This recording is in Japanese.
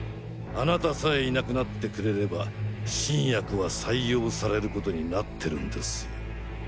あなたさえいなくなってくれれば新薬は採用されることになってるんですよ。